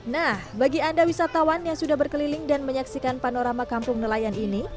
nah bagi anda wisatawan yang sudah berkeliling dan menyaksikan panorama kampung nelayan ini